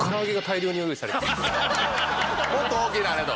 もっと大きくなれと。